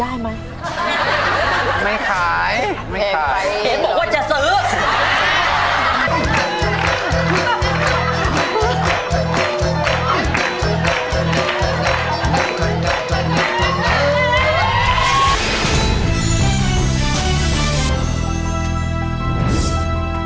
เอ๊ะบอกว่าจะซื้อ